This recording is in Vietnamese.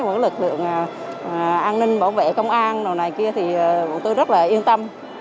của lực lượng an ninh bảo vệ công an lần này kia thì tôi rất là yên tâm